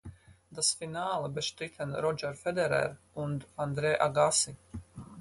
Das Finale bestritten Roger Federer und Andre Agassi.